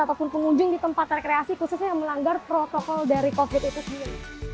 ataupun pengunjung di tempat rekreasi khususnya yang melanggar protokol dari covid itu sendiri